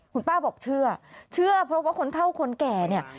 คุณป้าบอกเชื่อเชื่อเพราะว่าคนเท่าคนแก่เนี่ย